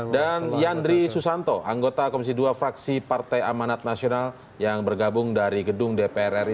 dan yandri susanto anggota komisi ii fraksi partai amanat nasional yang bergabung dari gedung dpr ri